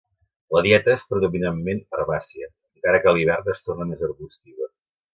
La dieta és predominantment herbàcia, encara que a l'hivern es torna més arbustiva.